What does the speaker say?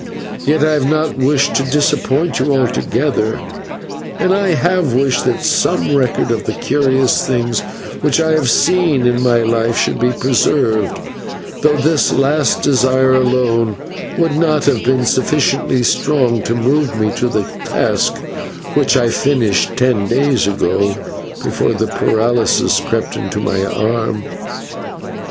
Yet I have not wished to disappoint you altogether, and I have wished that some record of the curious things which I have seen in my life should be preserved, though this last desire alone would not have been sufficiently strong to move me to the task which I finished ten days ago, before the paralysis crept into my arm.